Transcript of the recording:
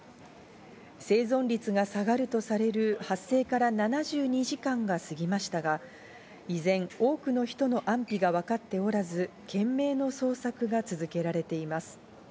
生存率が下がるとされる発生から７２時間が過ぎましたが、依然、多くの人の安否が分かっておらず、懸命の捜索が続けられています。